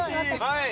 はい。